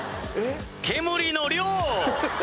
煙の量！